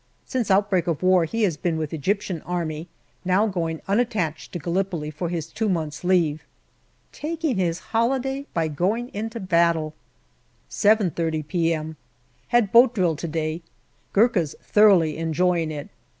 Since outbreak of war he has been with Egyptian Army, now going unattached to Gallipoli for his two months' leave. Taking his holiday by going into battle. 7.30 p.m. Had boat drill to day. Gurkhas thoroughly enjoying it.